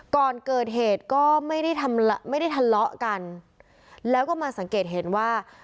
ก่อนเกิดเหตุก็ไม่ได้ทำไม่ได้ทะเลาะกันแล้วก็มาสังเกตเห็นว่า